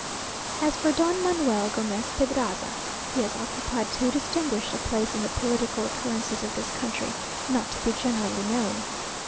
As for Don Manuel Gomez Pedraza, he has occupied too distinguished a place in the political occurrences of this country, not to be generally known.